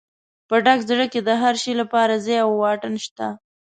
په ډک زړه کې د هر شي لپاره ځای او واټن شته.